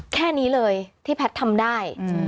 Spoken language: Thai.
แค่นี้เลยที่แพทย์ทำได้